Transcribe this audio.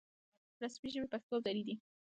رسمي ژبې پښتو او دري دي